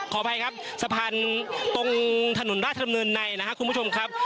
ขออภัยครับสะพานตรงถนนราชดำเนินในนะครับคุณผู้ชมครับ